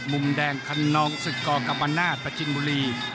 มุมแดงคันนองศึกกกรรมนาศประจินบุรี